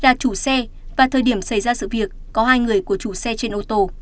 là chủ xe và thời điểm xảy ra sự việc có hai người của chủ xe trên ô tô